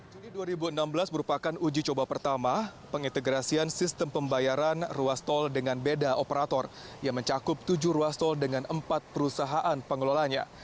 juni dua ribu enam belas merupakan uji coba pertama pengintegrasian sistem pembayaran ruas tol dengan beda operator yang mencakup tujuh ruas tol dengan empat perusahaan pengelolanya